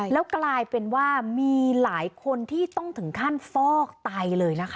แล้วกลายเป็นว่ามีหลายคนที่ต้องถึงขั้นฟอกไตเลยนะคะ